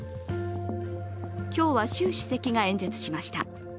今日は、習主席が演説しました。